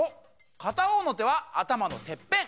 かたほうのてはあたまのてっぺん！